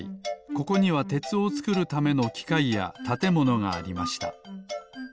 ここにはてつをつくるためのきかいやたてものがありました。